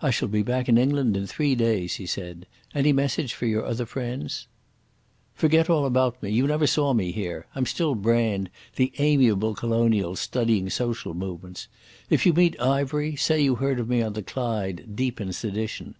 "I shall be back in England in three days," he said. "Any message for your other friends?" "Forget all about me. You never saw me here. I'm still Brand, the amiable colonial studying social movements. If you meet Ivery, say you heard of me on the Clyde, deep in sedition.